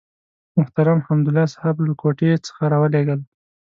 محترم حمدالله صحاف له کوټې څخه راولېږله.